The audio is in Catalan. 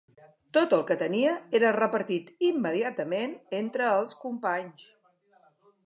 Tot el que tenia era repartit immediatament entre els companys